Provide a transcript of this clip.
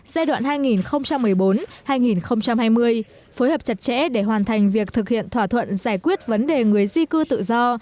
giai đoạn hai nghìn một mươi bốn hai nghìn hai mươi phối hợp chặt chẽ để hoàn thành việc thực hiện thỏa thuận giải quyết vấn đề người di cư tự do